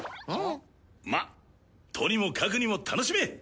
まあとにもかくにも楽しめ。